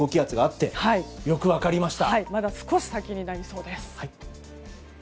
まだ少し先になりそうです。